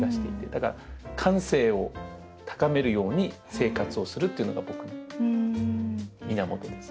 だから感性を高めるように生活をするっていうのが僕の源です。